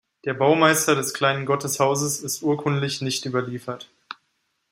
Der Baumeister des kleinen Gotteshauses ist urkundlich nicht überliefert.